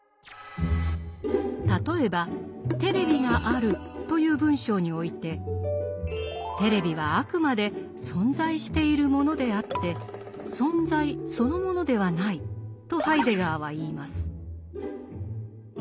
例えば「テレビがある」という文章においてテレビはあくまで「存在しているもの」であって「存在」そのものではないとハイデガーは言います。